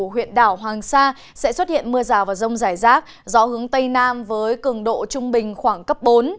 huyện đảo hoàng sa sẽ xuất hiện mưa rào và rông rải rác gió hướng tây nam với cường độ trung bình khoảng cấp bốn